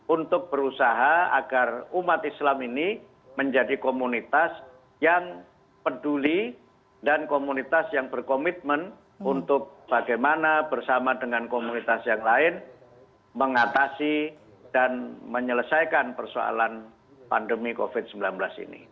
untuk berusaha agar umat islam ini menjadi komunitas yang peduli dan komunitas yang berkomitmen untuk bagaimana bersama dengan komunitas yang lain mengatasi dan menyelesaikan persoalan pandemi covid sembilan belas ini